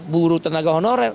buruh tenaga honorer